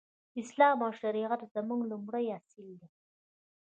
اسلام او شريعت زموږ لومړی اصل دی.